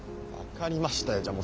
分かりましたよ。